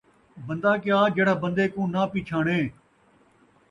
بندہ کیا جیڑھا بندے کو ناں پچھاݨے